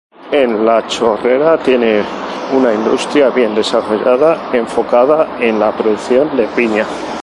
En La Chorrera, tiene una industria bien desarrollada, enfocada en la producción de piña.